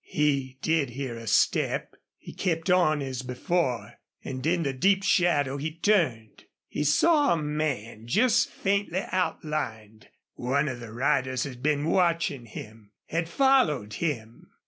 He did hear a step. He kept on, as before, and in the deep shadow he turned. He saw a man just faintly outlined. One of the riders had been watching him had followed him!